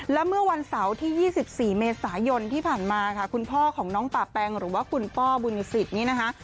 และเมื่อวันเสาร์ที่๒๔เมษายนที่ผ่านมาค่ะคุณพ่อของน้องป่าแปงหรือว่าคุณป้อบุญสิทธิ์นี้นะคะ